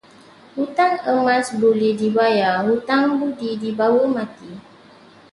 Hutang emas boleh dibayar, hutang budi dibawa mati.